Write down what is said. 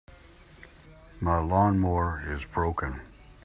My lawn-mower is broken.